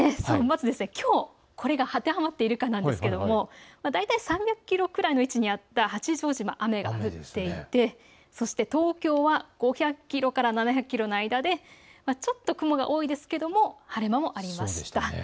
きょうこれが当てはまっているかどうかですが大体３００キロぐらいの位置にあった八丈島は雨が降っていて東京は５００キロから７００キロの間で少し雲が多いですが晴れ間もありました。